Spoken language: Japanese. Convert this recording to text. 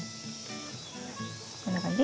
こんな感じ？